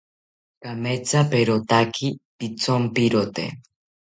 Kamethaperotaki pithonpirote